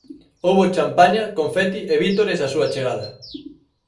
Houbo champaña, confeti e vítores á súa chegada.